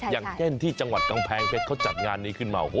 ยังแก้นที่จังหวัดกางแพงเม็ดเขาจัดงานนี้